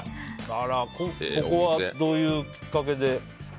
ここはどういうきっかけで？